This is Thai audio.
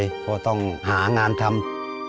เพราะต้องหางานทำ